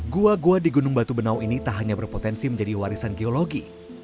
gua gua di gunung batu benau ini tak hanya berpotensi menjadi warisan geologi